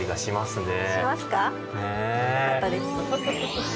よかったです。